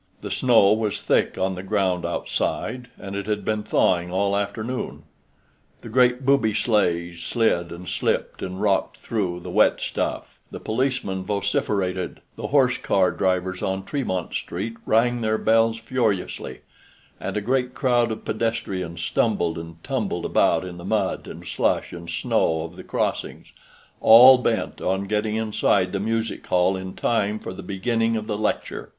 The snow was thick on the ground outside, and it had been thawing all the afternoon. The great booby sleighs slid and slipped and rocked through the wet stuff, the policemen vociferated, the horse car drivers on Tremont Street rang their bells furiously, and a great crowd of pedestrians stumbled and tumbled about in the mud and slush and snow of the crossings, all bent on getting inside the Music Hall in time for the beginning of the lecture.